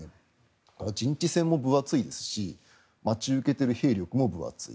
だから、陣地戦も分厚いですし待ち受けている兵力も分厚い。